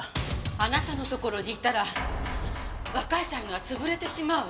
あなたのところにいたら若い才能が潰れてしまうわ。